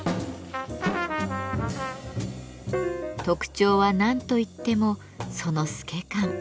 特徴は何と言ってもその透け感。